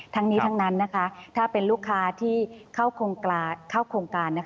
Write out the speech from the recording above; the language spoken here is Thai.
ทั้งนี้ทั้งนั้นถ้าเป็นลูกค้าที่เข้าโครงการ